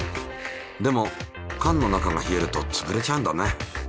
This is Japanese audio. でもかんの中が冷えるとつぶれちゃうんだね。